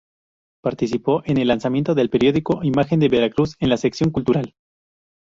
Participó en el lanzamiento del periódico Imagen de Veracruz en la sección Cultural.